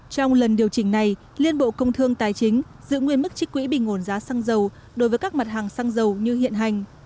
trong lần điều chỉnh này liên bộ công thương tài chính giữ nguyên mức trích quỹ bình ổn giá xăng dầu đối với các mặt hàng xăng dầu như hiện hành